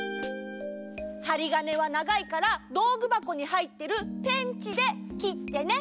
ハリガネはながいからどうぐばこにはいってるペンチできってね。